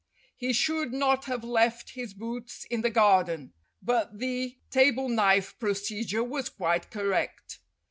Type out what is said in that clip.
He should not have left his boots in the garden, but the table knife procedure was quite correct.